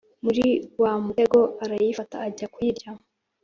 muri wa mutego arayifata ajya kuyirya.